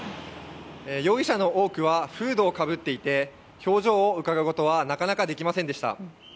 容疑者の多くはフードをかぶっていて表情をうかがうことはなかなかできませんでした。